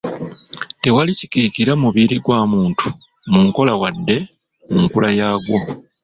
Tewali kikira mubiri gwa muntu mu nkola wadde mu nkula yaagwo .